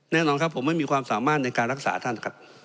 แน่นอนครับผมไม่มีความสามารถในการรักษาท่านครับ